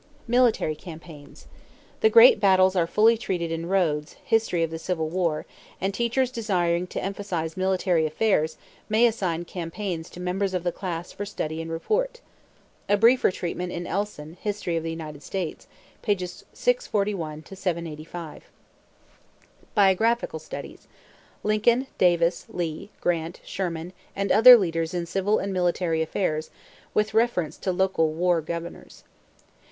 =Military Campaigns.= The great battles are fully treated in Rhodes, History of the Civil War, and teachers desiring to emphasize military affairs may assign campaigns to members of the class for study and report. A briefer treatment in Elson, History of the United States, pp. 641 785. =Biographical Studies.= Lincoln, Davis, Lee, Grant, Sherman, and other leaders in civil and military affairs, with reference to local "war governors."